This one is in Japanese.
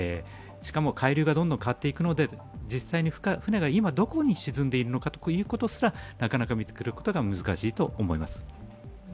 しかも海流がどんどん変わっていくので、船がどこに沈んでいるのかなかなか見つけることが難しいと思います。